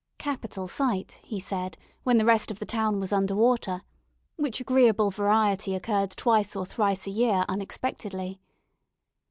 A capital site, he said, when the rest of the town was under water which agreeable variety occurred twice or thrice a year unexpectedly.